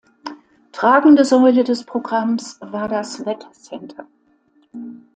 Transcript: Tragende Säule des Programms war das „Wetter-Center“.